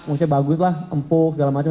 maksudnya bagus lah empuk segala macam